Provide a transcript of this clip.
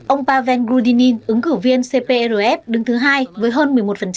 ông pavel grudinin ứng cử viên cprf đứng thứ hai với hơn một mươi một